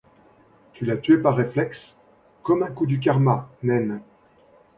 Tu l’as tué par réflexe, comme un coup du karma, naine !